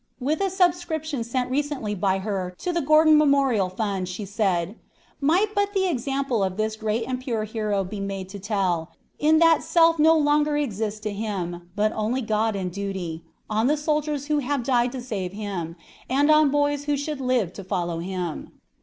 With a subscription sent recently by her to the Gordon Memorial Fund, she said: "Might but the example of this great and pure hero be made to tell, in that self no longer existed to him, but only God and duty, on the soldiers who have died to save him, and on boys who should live to follow him."